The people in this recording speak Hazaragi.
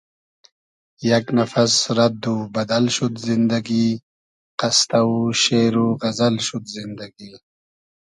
یئگ نفس رئد و بئدئل شود زیندئگی قستۂ و شېر و غئزئل شود زیندئگی